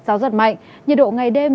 gió giật mạnh nhiệt độ ngày đêm